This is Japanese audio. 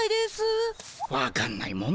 わかんないもんだな。